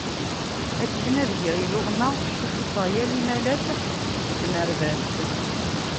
Akken ad geɣ iluɣma, ccucufeɣ yal imalas deg tnerdabt.